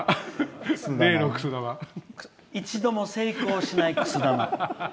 一度も成功しない、くす玉。